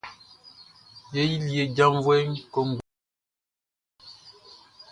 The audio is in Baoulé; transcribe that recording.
Ye yili ye jaʼnvuɛʼm kɔnguɛ.